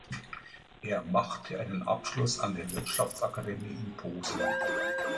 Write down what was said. Er machte einen Abschluss an der Wirtschaftsakademie in Posen.